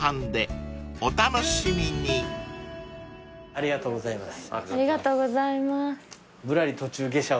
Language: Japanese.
ありがとうございます。